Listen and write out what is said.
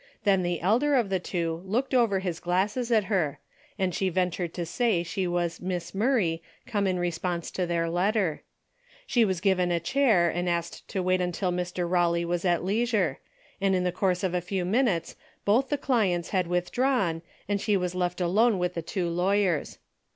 Then the elder of the two looked over his glasses at her, and she ven tured to say she was Miss Murray come in re sponse to their letter. She was given a chair and asked to wait until Mr. Rawley was at 42 DAILY BATE.'^ 43 leisure, and in the course of a few minutes both the clients had withdrawn, and she was left alone with the two lawyers.